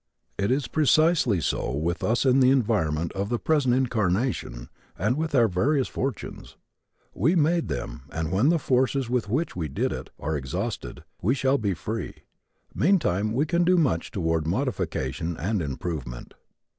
It is precisely so with us in the environment of the present incarnation and with our various fortunes. We made them and, when the forces with which we did it are exhausted, we shall be free. Meantime we can do much toward modification and improvement.